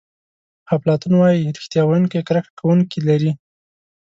افلاطون وایي ریښتیا ویونکی کرکه کوونکي لري.